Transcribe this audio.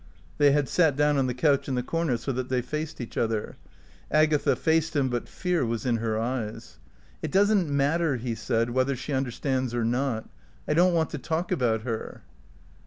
They had sat down on the couch in the corner so that they faced each other. Agatha faced him, but fear was in her eyes. "It doesn't matter," he said, "whether she understands or not. I don't want to talk about her."